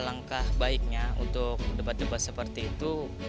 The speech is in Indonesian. langkah baiknya untuk debat debat seperti itu